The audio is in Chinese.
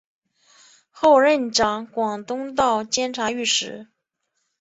后任掌广东道监察御史。